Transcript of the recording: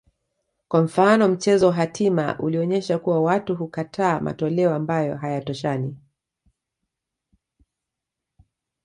kwa mfano mchezo wa hatima ulionyesha kuwa watu hukataa matoleo ambayo hayatoshani